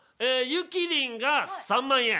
ゆきりんが３万円。